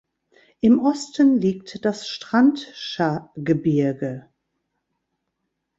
Im Osten liegt das Strandschagebirge.